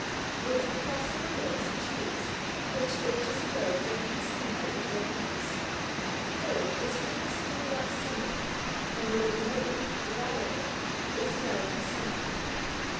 It is the fossil remains of trees which, ages ago, drank the sunlight with their leaves. Coal is really stored up sunlight and the locomotive, devouring it, is devouring sunlight.